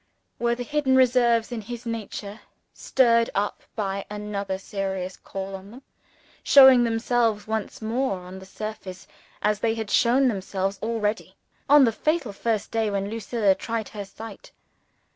Were the hidden reserves in his nature (stirred up by another serious call on them) showing themselves once more on the surface as they had shown themselves already, on the fatal first day when Lucilla tried her sight?